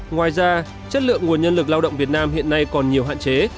ngoài ra chất lượng nguồn nhân lực lao động việt nam hiện nay còn nhiều hạn chế